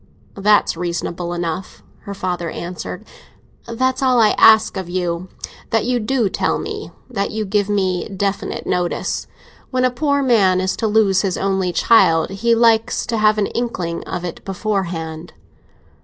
"That's reasonable enough," her father answered. "That's all I ask of you—that you do tell me, that you give me definite notice. When a poor man is to lose his only child, he likes to have an inkling of it beforehand."